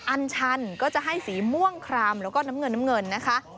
อันชันก็จะให้สีม่วงคลามแล้วก็น้ำเงินนะคะ